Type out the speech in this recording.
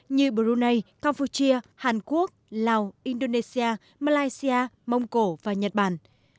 như brunei campuchia hàn quốc lào indonesia malaysia mông cổ và nhật bản